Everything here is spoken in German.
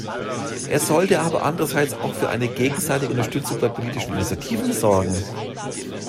Er sollte aber andererseits auch für eine gegenseitige Unterstützung bei politischen Initiativen sorgen.